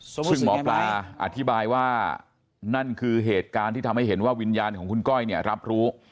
ซึ่งหมอปลาอธิบายว่านั่นคือเหตุการณ์ที่ทำให้เห็นว่าวิญญาณของคุณก้อยเนี่ยรับรู้